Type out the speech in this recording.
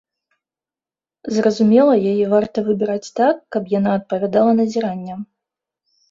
Зразумела, яе варта выбіраць так, каб яна адпавядала назіранням.